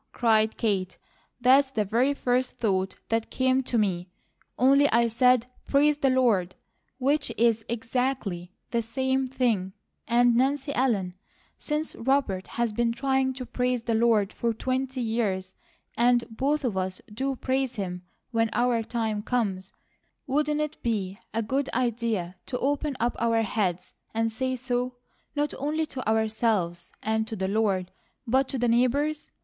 cried Kate. "That's the very first thought that came to me, only I said, 'Praise the Lord,' which is exactly the same thing; and Nancy Ellen, since Robert has been trying to praise the Lord for twenty years, and both of us do praise Him when our time comes, wouldn't it be a good idea to open up our heads and say so, not only to ourselves and to the Lord, but to the neighbours?